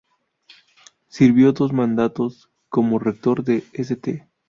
Sirvió dos mandatos como rector de St.